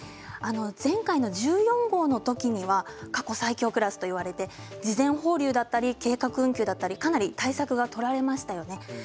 前回の１４号の時は過去最強クラスといわれ事前放流や計画運休などかなり対策が取られましたよね。